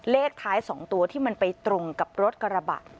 เลขท้าย๒ตัวที่มันไปตรงกับรถกระบะ